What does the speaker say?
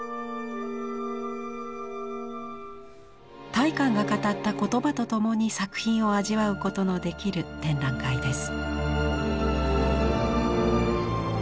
大観が語った言葉とともに作品を味わうことのできる展覧会です。